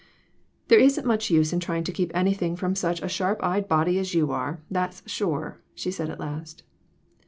"There isn't much use in trying to keep any thing from such a sharp eyed body as you are, that's sure!" she said, at last.